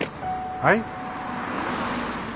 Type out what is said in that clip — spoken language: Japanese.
はい。